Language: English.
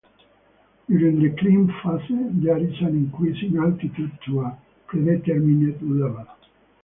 During the climb phase there is an increase in altitude to a predetermined level.